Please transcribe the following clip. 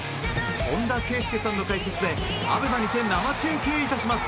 本田圭佑さんの解説でＡＢＥＭＡにて生中継いたします。